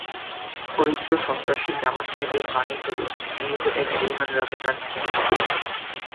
অরিত্রসন্ত্রাসী জামায়াত শিবির মানেই হলো ঘৃণিত এক বেইমান রাজাকার নামের সমার্থক।